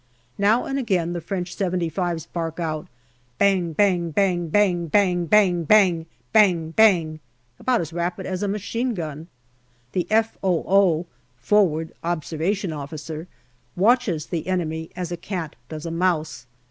Now and again the French " 75*3 " bark out, bang bang bang bang bang bang bang bang. About as rapid as a machine gun. The F.O.O. (Forward Observation Officer) watches the enemy as a cat does a mouse.